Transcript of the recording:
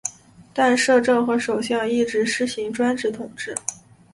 但摄政和首相一直施行专制统治。